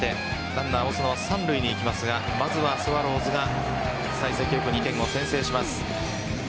ランナー・オスナは三塁に行きますがまずはスワローズが幸先良く２点を先制します。